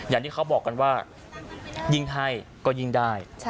อย่างที่เขาบอกกันว่ายิ่งให้ก็ยิ่งได้